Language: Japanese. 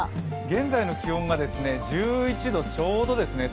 現在の気温が１１度ちょうどですね。